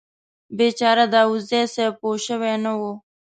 بیچاره داوودزی صیب پوه شوي نه و.